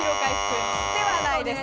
ではないです。